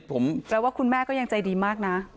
แปลว่าคุณแม่ก็ยังใจดีมากนะ